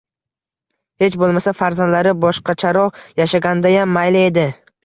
Hech boʻlmasa, farzandlari boshqacharoq yashagandayam, mayli edi